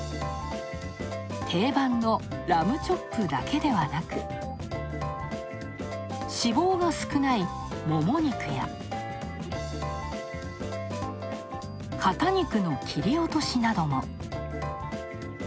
定番のラムチョップだけではなく脂肪が少ない、もも肉や肩肉の切り落としなども。